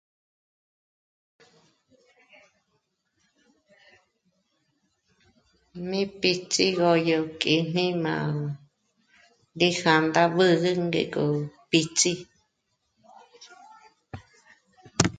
Mí píts'i góyú kíjni ná rí hā̂nda mbǜgü ngéko píts'i